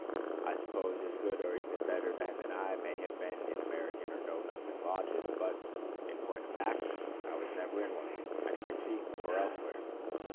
I suppose as good or even better men than I may have been in American or Know Nothing lodges; but, in point of fact, I never was in one, at Quincy or elsewhere....